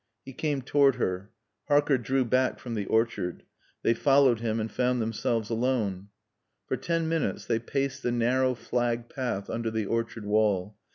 He came toward her. Harker drew back into the orchard. They followed him and found themselves alone. For ten minutes they paced the narrow flagged path under the orchard wall.